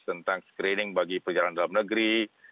tentang screening bagi perjalanan dalam negeri